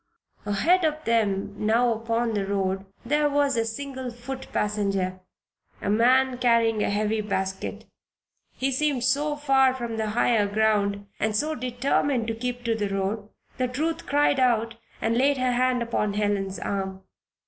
Ahead of them now upon the road there was a single foot passenger a man carrying a heavy basket. He seemed so far from the higher ground, and so determined to keep to the road, that Ruth cried out and laid her hand upon Helen's arm.